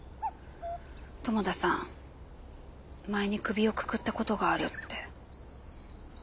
供田さん前に首をくくったことがあるって。